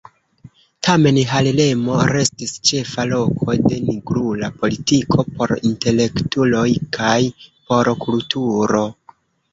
Tamen Harlemo restis ĉefa loko de nigrula politiko, por intelektuloj kaj por kulturo.